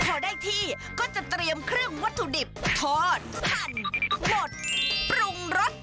พอได้ที่ก็จะเตรียมเครื่องวัตถุดิบทอดหั่นบดปรุงรส